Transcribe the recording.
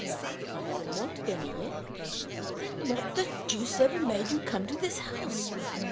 "I haven't wanted any yet." "Then what the deuce ever made you come to this house?"